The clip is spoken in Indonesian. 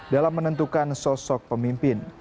dalam menentukan sosok pemimpin